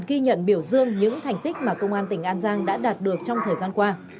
ghi nhận biểu dương những thành tích mà công an tỉnh an giang đã đạt được trong thời gian qua